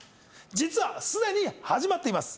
実はすでに始まっています